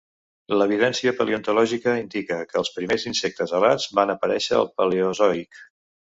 L'evidència paleontològica indica que els primers insectes alats van aparèixer al paleozoic.